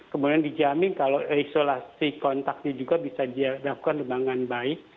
kemudian dijamin kalau isolasi kontaknya juga bisa dilakukan dengan baik